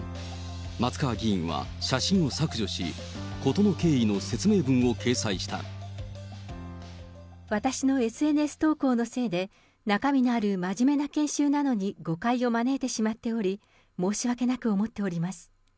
松川議員は写真を削除し、私のＳＮＳ投稿のせいで、中身のある真面目な研修なのに誤解を招いてしまっており、申し訳なく思っております。